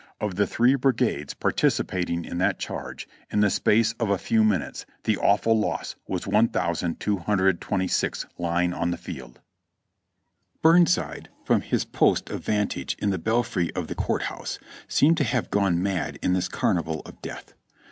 Of the three brigades participating in that charge, in the space of a few minutes the awful loss was 1,226 lying on the field." (Reb. Records, Vol. 21, pp. 341 342.) Burnside. from his post of vantage in the belfry of the Court House, seemed to have gone mad in this carnival of death.